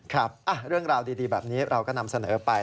ครับเรื่องราวดีแบบนี้เราก็นำเสนอไป